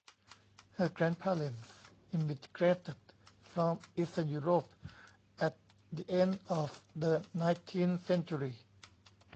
Her grandparents immigrated from Eastern Europe at the end of the nineteenth century.